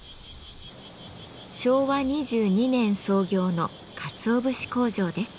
昭和２２年創業のかつお節工場です。